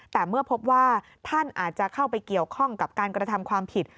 แต่เมื่อพบว่าท่านอาจจะเข้าไปเกี่ยวข้องกับการกระทำความผิด